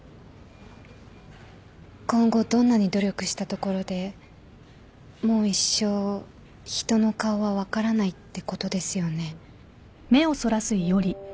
今後どんなに努力したところでもう一生人の顔は分からないってことですよね？